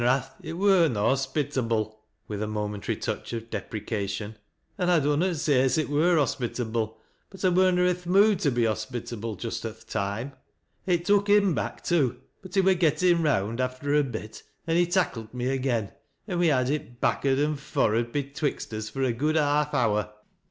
It wur na hos^i^ible," with a momentary touch of deprecation, —" An' I dunnot say ao it wur hospitible, but I wur na i' th' mood to be hospiti ble just at th' toime. It tuk him back too, but he gettin round after a bit, an' he tacklet me agen, an' we had it back'ard and f or'ard betwixt us for a good haaf hour.